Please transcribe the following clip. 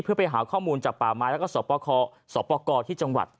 เพื่อไปหาข้อมูลจากป่าไม้แล้วก็สปกรที่จังหวัด